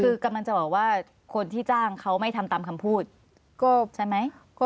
คือกำลังจะบอกว่าคนที่จ้างเขาไม่ทำตามคำพูดก็ใช่ไหม